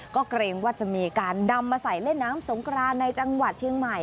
ก็เกรงว่าจะมีการนำมาใส่เล่นน้ำสงครานในจังหวัดเชียงใหม่